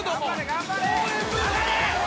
頑張れ。